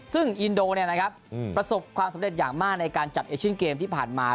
ซึ่งอินโดเนี่ยนะครับประสบความสำเร็จอย่างมากในการจัดเอชินเกมส์ที่ผ่านมา